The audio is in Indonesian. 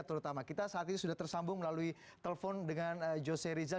terutama kita saat ini sudah tersambung melalui telepon dengan jose rizal